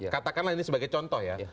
katakanlah ini sebagai contoh ya